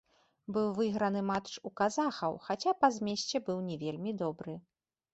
Быў выйграны матч у казахаў, хаця па змесце быў не вельмі добры.